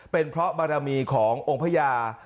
เป็นเพราะบารมีขององค์พญา